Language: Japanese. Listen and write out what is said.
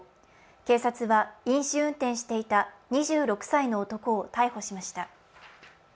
警察は飲酒運転していた２６歳の男を逮捕しました。